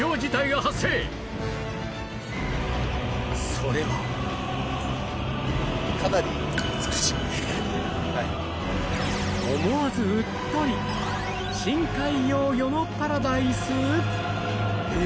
それは思わずうっとり深海幼魚のパラダイス⁉え！